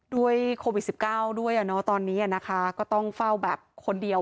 ด้วยโควิด๑๙เต่านี้ก็ต้องเฝ้าแบบคนเดียว